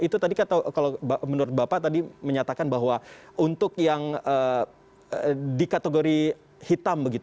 itu tadi kalau menurut bapak tadi menyatakan bahwa untuk yang di kategori hitam